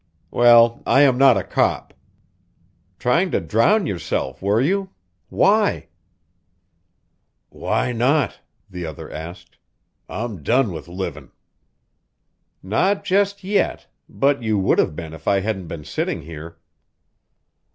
"Well, I am not a cop. Trying to drown yourself, were you? Why?" "Why not?" the other asked. "I'm done with livin'." "Not just yet, but you would have been if I hadn't been sitting here."